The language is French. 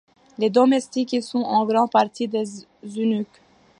Les domestiques y sont en grande partie des eunuques.